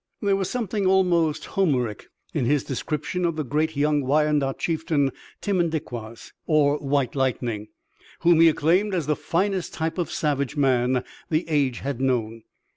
There was something almost Homeric in his description of the great young Wyandot chieftain Timmendiquas or White Lightning, whom he acclaimed as the finest type of savage man the age had known."